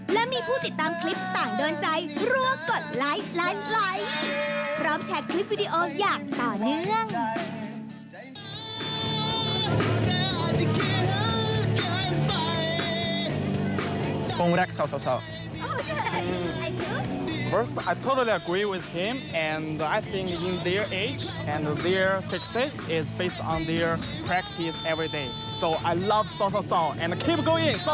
และมีผู้ติดตามคลิปต่างโดนใจรัวกดไลค์ไลฟ์พร้อมแท็กคลิปวิดีโออย่างต่อเนื่อง